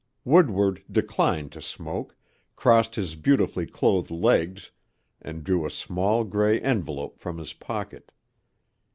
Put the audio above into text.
Woodward declined to smoke, crossed his beautifully clothed legs and drew a small gray envelope from his pocket.